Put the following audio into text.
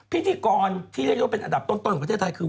พิธีกรที่ได้รู้เป็นอัดับต้นของประเทศไทยคือ